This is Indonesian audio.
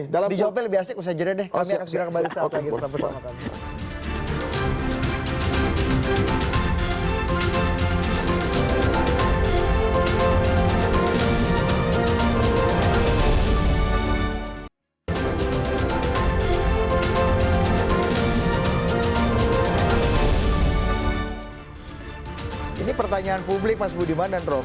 di jopi lebih asik usah jadinya deh